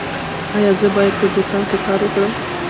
ایا زه باید په دوکان کې کار وکړم؟